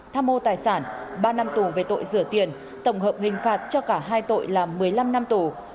tham mô tài sản ba năm tù về tội rửa tiền tổng hợp hình phạt cho cả hai tội là một mươi năm năm tù